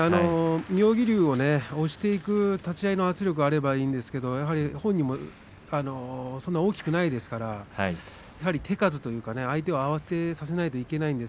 妙義龍を押していく立ち合いの圧力があればいいんですが本人もそんなに大きくありませんので手数ですね、相手を慌てさせなければいけません。